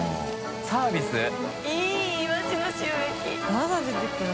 まだ出てくるの？